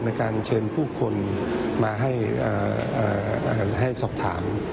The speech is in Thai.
ในการเชิญผู้คนมาให้สอบถาม